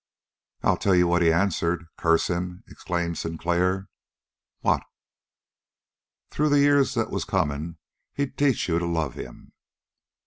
"I'll tell you what he answered curse him!" exclaimed Sinclair. "What?" "Through the years that was comin', he'd teach you to love him."